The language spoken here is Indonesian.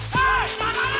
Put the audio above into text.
hei jangan lari